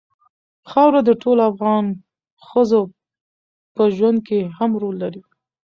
خاوره د ټولو افغان ښځو په ژوند کې هم رول لري.